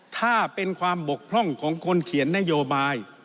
ถ้าเป็นความบกพร่องของคนเขียนนโยบาย